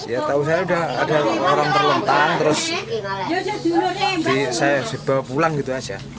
ya tahu saya udah ada orang terlentang terus saya dibawa pulang gitu aja